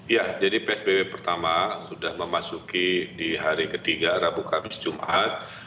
ya jadi psbb pertama sudah memasuki di hari ketiga rabu kamis jumat